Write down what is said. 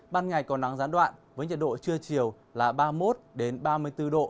ban ngày có nắng gián đoạn với nhiệt độ trưa chiều là ba mươi một ba mươi bốn độ